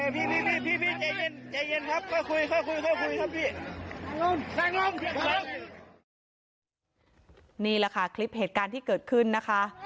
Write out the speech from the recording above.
นี่แหละค่ะคลิปเหตุการณ์ที่เกิดขึ้นนะคะ